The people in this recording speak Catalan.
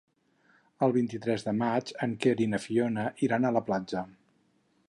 El vint-i-tres de maig en Quer i na Fiona iran a la platja.